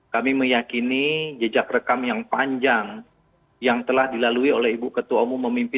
kami meyakini jejak rekam yang panjang yang telah dilalui oleh ibu ketua umum memimpin